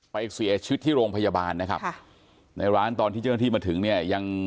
เสียชีวิตที่โรงพยาบาลนะครับค่ะในร้านตอนที่เจ้าหน้าที่มาถึงเนี่ยยัง